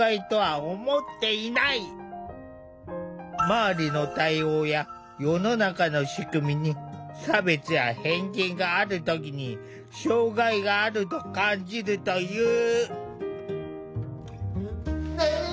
周りの対応や世の中の仕組みに差別や偏見がある時に「障害」があると感じるという。